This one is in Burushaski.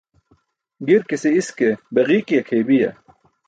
Girkise iske be ġiiki akʰeybiya?